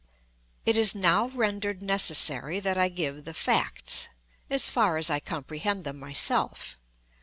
It is now rendered necessary that I give the facts—as far as I comprehend them myself.